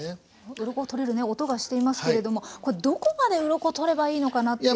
ウロコを取れるね音がしていますけれどもこれどこまでウロコを取ればいいのかなっていう。